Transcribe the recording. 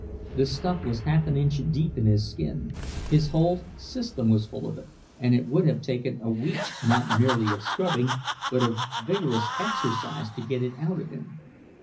The stuff was half an inch deep in his skin—his whole system was full of it, and it would have taken a week not merely of scrubbing, but of vigorous exercise, to get it out of him.